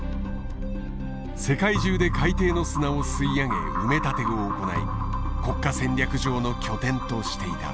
世界中で海底の砂を吸い上げ埋め立てを行い国家戦略上の拠点としていた。